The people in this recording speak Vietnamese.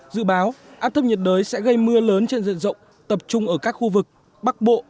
dự báo áp thấp nhiệt đới sẽ gây mưa lớn trên diện rộng tập trung ở các khu vực bắc bộ